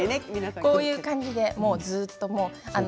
こういう感じでずっと。